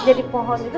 jadi pohon itu